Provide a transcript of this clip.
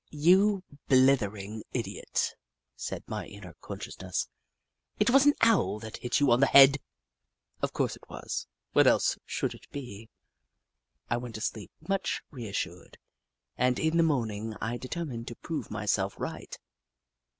" You blithering idiot," said my inner consciousness, " it was an Owl that hit you on the head !" Of course it was — what else should it be? I went to sleep much reassured, and in the morning I determined to prove myself right.